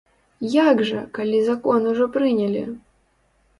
Як жа, калі закон ужо прынялі?